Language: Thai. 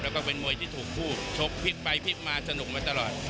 แล้วก็เป็นมวยที่ถูกคู่ชกพลิกไปพลิกมาสนุกมาตลอด